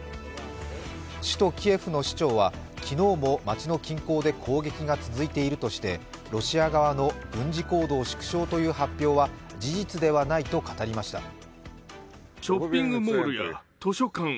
首都キエフの市長は昨日も街の近郊で攻撃が続いているとしてロシア側の軍事行動縮小という発表は事実ではないと語りました。